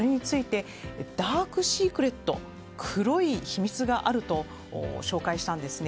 ダーク・シークレット黒い秘密があると紹介したんですね。